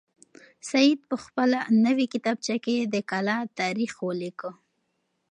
سعید په خپله نوې کتابچه کې د کلا تاریخ ولیکه.